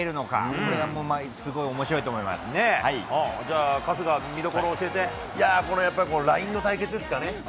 これはもうすごいおもしろいと思じゃあ、春日、見どころ教えいや、これ、やっぱりラインの対決ですかね。